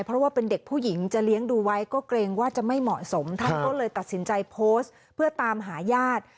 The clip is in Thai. เพราะว่าเป็นเด็กผู้หญิงจะเลี้ยงดูไว้ก็เกรงว่าจะไม่เหมาะสมท่านก็เลยตัดสินใจโพสต์เพื่อตามหาญาติ